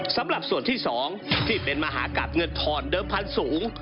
สำหรับส่วนที่๒ที่เป็นมหากราบเงินทอนเดิมพันธุ์สูง